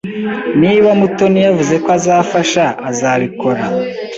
Niba Mutoni yavuze ko azafasha, azabikora.